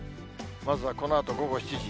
まずはこのあと午後７時。